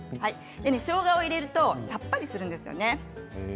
しょうがを入れるとさっぱりするんですよね。